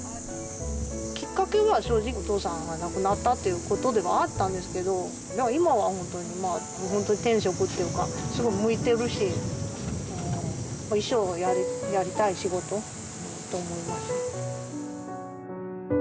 きっかけは正直お父さんが亡くなったっていうことではあったんですけどでも今は本当に天職というかすごい向いてるし一生やりたい仕事と思います。